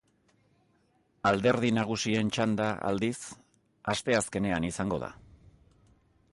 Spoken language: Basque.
Alderdi nagusien txanda, aldiz, asteazkenean izango da.